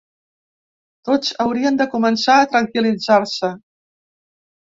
Tots haurien de començar a tranquil·litzar-se.